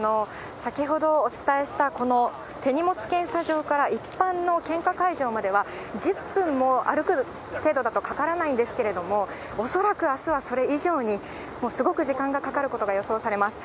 先ほどお伝えした、この手荷物検査場から一般の献花会場までは、１０分も、歩く程度だとかからないんですけれども、恐らくあすはそれ以上に、すごく時間がかかることが予想されます。